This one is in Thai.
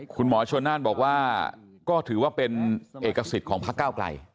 คุณหมอชนนั่นบอกว่าก็ถือว่าเป็นเอกสิทธิ์ของพักเก้าไกล